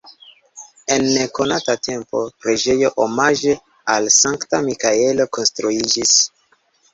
En nekonata tempo preĝejo omaĝe al Sankta Mikaelo konstruiĝis.